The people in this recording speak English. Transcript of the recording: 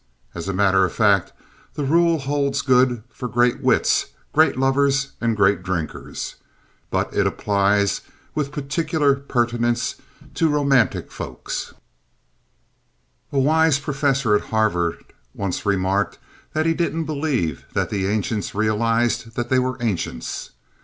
As a matter of fact, the rule holds good for great wits, great lovers and great drinkers. But it applies with particular pertinence to romantic folk. A wise professor at Harvard once remarked that he didn't believe that the ancients realized that they were ancients.